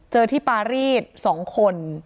เจอที่ปารีส๒คน